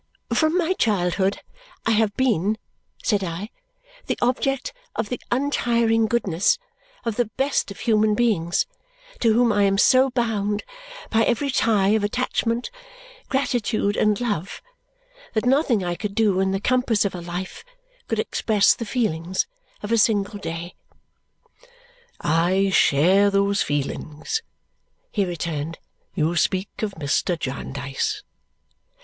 "From my childhood I have been," said I, "the object of the untiring goodness of the best of human beings, to whom I am so bound by every tie of attachment, gratitude, and love, that nothing I could do in the compass of a life could express the feelings of a single day." "I share those feelings," he returned. "You speak of Mr. Jarndyce."